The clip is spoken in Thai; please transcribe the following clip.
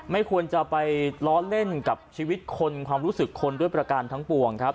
ไม่ควรจะไปล้อเล่นกับชีวิตคนความรู้สึกคนด้วยประการทั้งปวงครับ